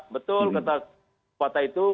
betul kata kepala itu